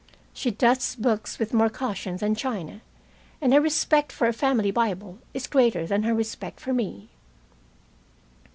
She dusts books with more caution than china, and her respect for a family Bible is greater than her respect for me.